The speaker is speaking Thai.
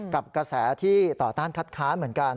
กับกระแสที่ต่อต้านคัดค้านเหมือนกัน